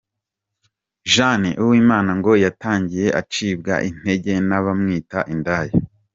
Jane Uwimana ngo yatangiye acibwa intege n’abamwita indaya.